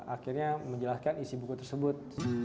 akhirnya menjelaskan isi buku tersebut